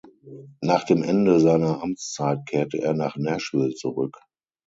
Nach dem Ende seiner Amtszeit kehrte er nach Nashville zurück.